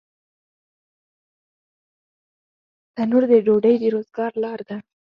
تنور د ډوډۍ د روزګار لاره ده